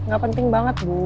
gak penting banget bu